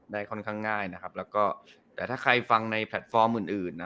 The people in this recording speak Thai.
ค่อนข้างง่ายนะครับแล้วก็แต่ถ้าใครฟังในแพลตฟอร์มอื่นอื่นนะ